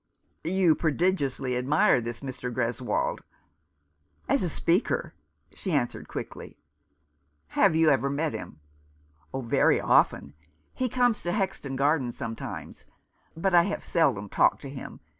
" You prodigiously admire this Mr. Greswold ?"" As a speaker," she answered quickly. " Have you ever met him ?" "Very often. He comes to Hexton Gardens sometimes — but I have seldom talked to him..